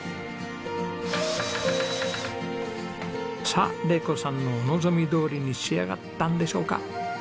さあ玲子さんのお望みどおりに仕上がったんでしょうか？